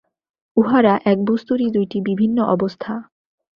উহারা এক বস্তুরই দুইটি বিভিন্ন অবস্থা।